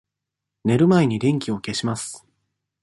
寝る前に電気を消します。